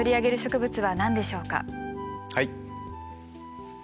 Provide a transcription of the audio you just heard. はい。